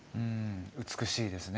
美しいですね。